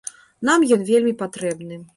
Нам ён вельмі патрэбны.